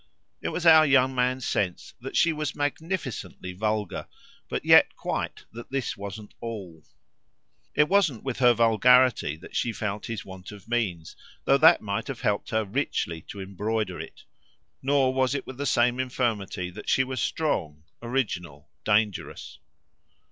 It was our young man's sense that she was magnificently vulgar, but yet quite that this wasn't all. It wasn't with her vulgarity that she felt his want of means, though that might have helped her richly to embroider it; nor was it with the same infirmity that she was strong original dangerous.